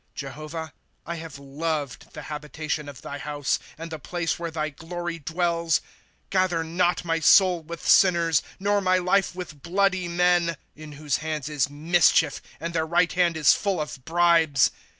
8 Jehovah, I have loved the habitation of thy house, And the place where thy glory dwells. ^ Gather not my soul with sinners, Nor my life with bloody men ; 1" In whose hands is mischief, And their right hand is full of bribes.